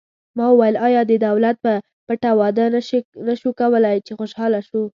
ما وویل: آیا د دولت په پټه واده نه شو کولای، چې خوشحاله شو؟